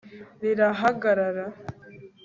rirahagarara